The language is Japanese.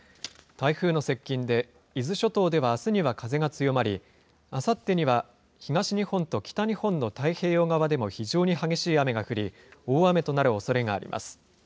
台風の接近で伊豆諸島ではあすには風が強まり、あさってには東日本と北日本の太平洋側でも非常に激しい雨が降り、大雨となるおそれがあります。